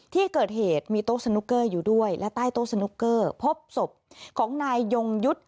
ที่เกิดเหตุมีโต๊ะสนุกเกอร์อยู่ด้วยและใต้โต๊ะสนุกเกอร์พบศพของนายยงยุทธ์